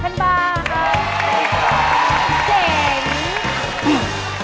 ขอบคุณครับ